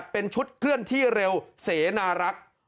เป็นชุดเคลื่อนที่เร็วเสนารักษ์